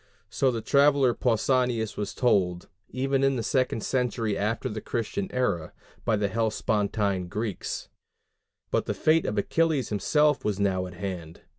So the traveller Pausanias was told, even in the second century after the Christian era, by the Hellespontine Greeks. But the fate of Achilles himself was now at hand.